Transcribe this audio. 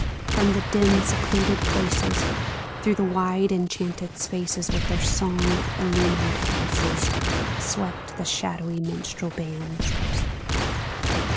From the dim secluded places. Through the wide enchanted spaces, A DREAM OF SONGS UNSUNG 303 With their song illumined faces Swept the shadowy minstrel bands